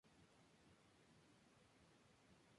Su educación inicial la obtuvo bajo la dirección del Pbro.